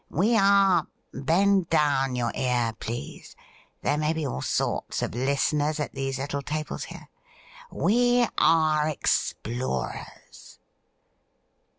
We are — ^bend down your ear, please ; there may be all sorts of listeners at these little tables here — we are ex plorers.'